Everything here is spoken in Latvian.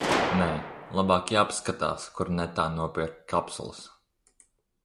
Nē, labāk jāpaskatās, kur netā nopirkt kapsulas.